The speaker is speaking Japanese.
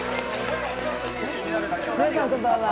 皆さん、こんばんは。